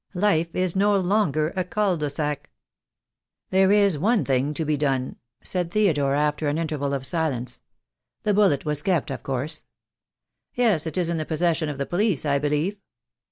Life is no longer a cul de sac." "There is one thing to be done," said Theodore, after an interval of silence. "The bullet was kept, of course." "Yes, it is in the possession of the police, I believe."